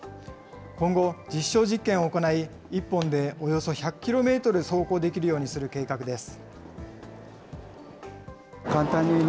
今後、実証実験を行い、１本でおよそ１００キロメートル走行できるようにする計画です。